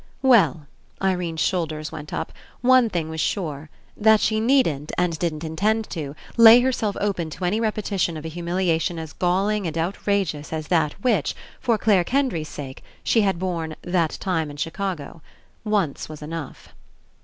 Well — Irene's shoulders went up — one thing was sure : that she needn't, and didn't intend to, lay herself open to any repetition of a humiliation as galling and outrageous as that which, for Clare Kendry's sake, she had borne "that time in Chicago." Once was enough.